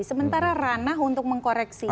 sementara ranah untuk mengkoreksi